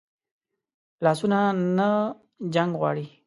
لاسونه نه جنګ غواړي